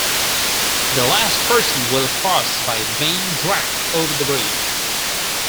The last person will cross by being dragged over the bridge.